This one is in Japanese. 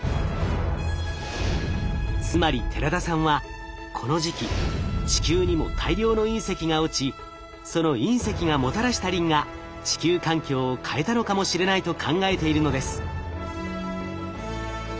つまり寺田さんはこの時期地球にも大量の隕石が落ちその隕石がもたらしたリンが地球環境を変えたのかもしれないと考えているのです。